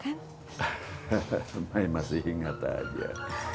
hehehe mai masih ingat aja